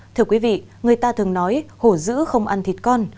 thưa quý vị người ta thường nói hổ giữ không ăn thịt con